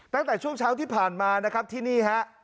ตั้งแต่ช่วงเช้าที่ผ่านมานะครับที่นี่ฮะ